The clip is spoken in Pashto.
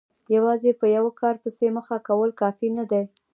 یوازې په یوه کار پسې مخه کول کافي نه دي.